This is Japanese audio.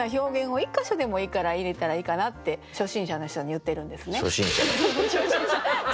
１か所でもいいから入れたらいいかなって初心者の人に言ってるんですね。